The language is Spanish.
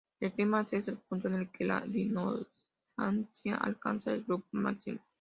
El clímax es el punto en el que la disonancia alcanza el grado máximo.